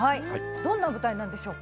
どんな舞台なんでしょうか。